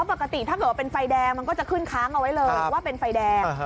ปกติถ้าเกิดว่าเป็นไฟแดงมันก็จะขึ้นค้างเอาไว้เลยว่าเป็นไฟแดง